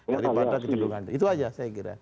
daripada kecenderungan itu saja saya kira